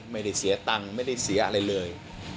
ไม่ได้เสียตังค์ไม่ได้เสียอะไรเลย